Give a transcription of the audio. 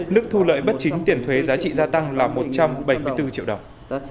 mức thu lợi bất chính tiền thuế giá trị gia tăng là một trăm bảy mươi bốn triệu đồng